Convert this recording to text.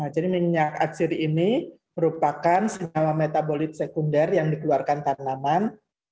jadi minyak aksiri ini merupakan sebuah metabolit sekunder yang dikeluarkan tanaman